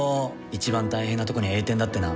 一番大変なとこに栄転だってな。